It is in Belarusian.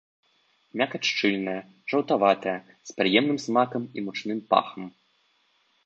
Мякаць шчыльная, жаўтаватая, з прыемным смакам і мучным пахам.